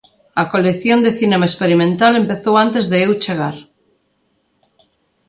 A colección de cinema experimental empezou antes de eu chegar.